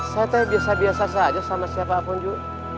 saya tahu yang biasa biasa saja sama siapa pak mojo